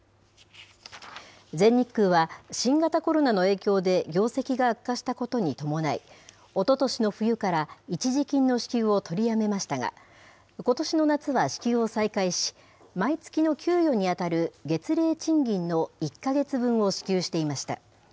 全日空は、新型コロナの影響で業績が悪化したことに伴い、おととしの冬から一時金の支給を取りやめましたが、ことしの夏は支給を再開し、毎月の給与に当たる月例賃金の１か月分を支給していました。